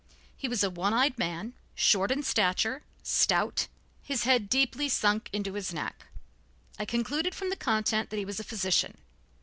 He was a one eyed man, short in stature, stout, his head deeply sunk into his neck. I concluded from the content that he was a physician.